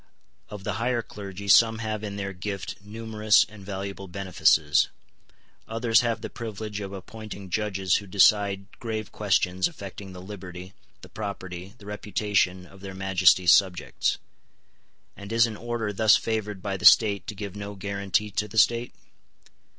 Of the higher clergy some have in their gift numerous and valuable benefices; others have the privilege of appointing judges who decide grave questions affecting the liberty, the property, the reputation of their Majesties' subjects. And is an order thus favoured by the state to give no guarantee to the state?